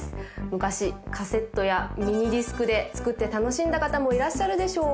昔カセットやミニディスクで作って楽しんだ方もいらっしゃるでしょう